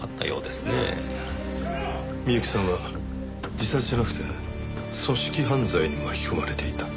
美由紀さんは自殺じゃなくて組織犯罪に巻き込まれていた。